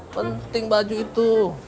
penting baju itu